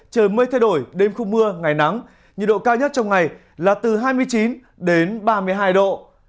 trời mây thay đổi đêm không mưa ngày nắng nhiệt độ cao nhất trong ngày là từ hai mươi chín đến ba mươi hai độ